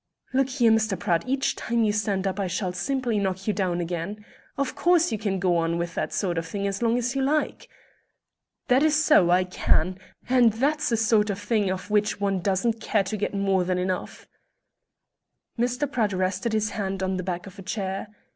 "Look here, Mr. Pratt, each time you stand up I shall simply knock you down again. Of course you can go on with that sort of thing as long as you like." "That is so; I can. And that's a sort of thing of which one doesn't care to get more than enough." Mr. Pratt rested his hand on the back of a chair.